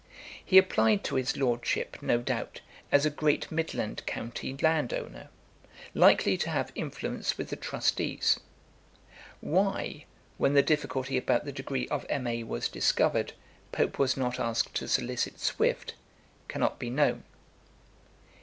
He applied to his lordship, no doubt, as a great midland county landowner, likely to have influence with the trustees. Why, when the difficulty about the degree of M.A. was discovered, Pope was not asked to solicit Swift cannot be known.